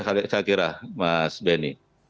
saya kira mas benny